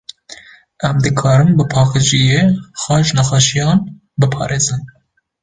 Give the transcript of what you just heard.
Em dikarin bi paqijiyê, xwe ji nexweşiyan biparêzin.